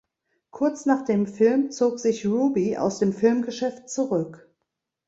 Kurz nach dem Film zog sich Ruby aus dem Filmgeschäft zurück.